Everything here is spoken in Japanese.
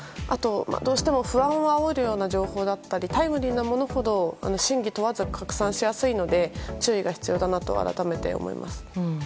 どうしても不安をあおるような情報だったりタイムリーなものほど真偽問わず拡散しやすいので注意が必要だなと改めて思いました。